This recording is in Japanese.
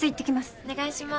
お願いします。